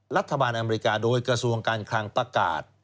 อเมริกาโดยกระทรวงการคลังประกาศ